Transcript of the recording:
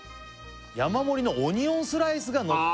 「山盛りのオニオンスライスがのって」